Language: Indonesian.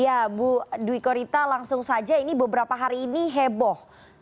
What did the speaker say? ya bu dwi korita langsung saja ini beberapa hari ini heboh